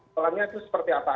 soalnya itu seperti apa